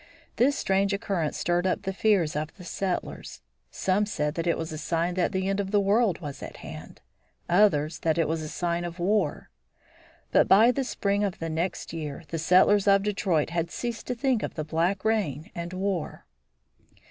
This strange occurrence stirred up the fears of the settlers. Some said that it was a sign that the end of the world was at hand; others, that it was a sign of war. But by the spring of the next year the settlers of Detroit had ceased to think of the black rain and war.